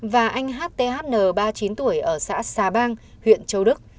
và anh hthn ba mươi chín tuổi ở xã xà bang huyện châu đức